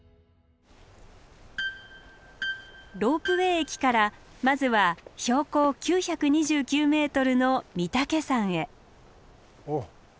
ロープウエー駅からまずは標高９２９ｍの御岳山へ。